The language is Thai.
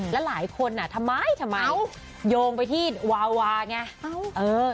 แล้วหลายคนทำไมโยงไปที่วาวาไง